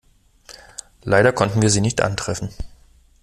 Leider konnten wir Sie nicht antreffen.